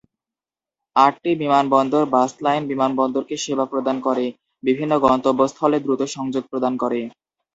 আটটি বিমানবন্দর bus line বিমানবন্দরকে সেবা প্রদান করে, বিভিন্ন গন্তব্যস্থলে দ্রুত সংযোগ প্রদান করে।